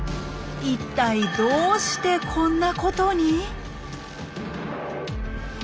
一体どうしてこんなことに？